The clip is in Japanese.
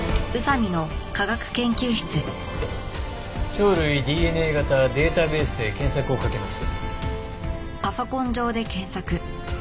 鳥類ＤＮＡ型データベースで検索をかけます。